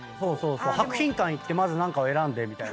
博品館行ってまず何かを選んでみたいな。